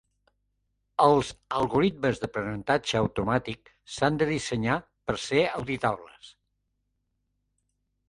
Els algorismes d'aprenentatge automàtic s'han de dissenyar per ser auditables.